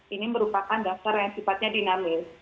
ini merupakan dasar yang sifatnya dinamis